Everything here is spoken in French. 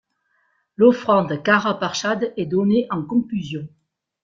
L'offrande Karah Parshad est donnée en conclusion.